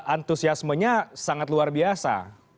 antusiasmenya sangat luar biasa